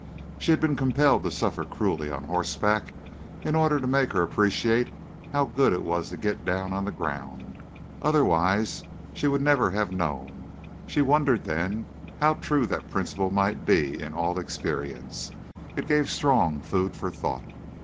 She had been compelled to suffer cruelly on horseback in order to make her appreciate how good it was to get down on the ground. Otherwise she never would have known. She wondered, then, how true that principle might be in all experience. It gave strong food for thought.